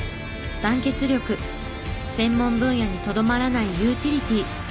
団結力専門分野にとどまらないユーティリティー。